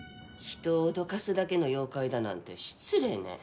人をおどかすだけの妖怪だなんて失礼ね。